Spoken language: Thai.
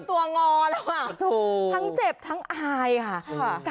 ทั้งเจ็บทั้งอายค่ะ